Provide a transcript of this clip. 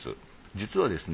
実はですね